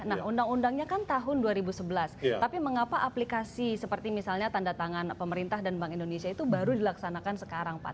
nah undang undangnya kan tahun dua ribu sebelas tapi mengapa aplikasi seperti misalnya tanda tangan pemerintah dan bank indonesia itu baru dilaksanakan sekarang pak